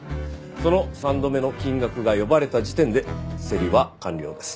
その３度目の金額が呼ばれた時点で競りは完了です。